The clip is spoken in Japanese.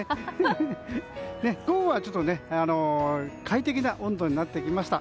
午後は快適な温度になってきました。